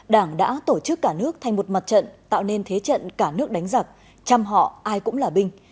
đảng đã tổ chức cả nước thành một mặt trận tạo nên thế trận cả nước đánh giặc chăm họ ai cũng là binh